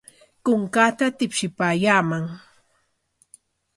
Kunkaata tipshipaayaaman.